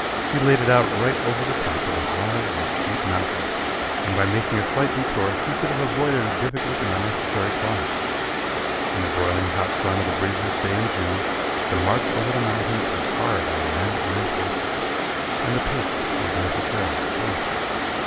He laid it out right over the top of a high and steep mountain, when by making a slight detour, he could have avoided a difficult and unnecessary climb. In the broiling hot sun of a breezeless day in June, the march over the mountains was hard on men and horses, and the pace was necessarily slow.